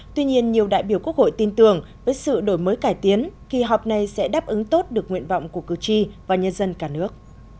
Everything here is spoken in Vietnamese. tuy nhiên nhiều đại biểu quốc hội tin tưởng với sự đổi mới cải tiến kỳ họp này sẽ đáp ứng tốt được nguyện vọng của cử tri và nhân dân cả nước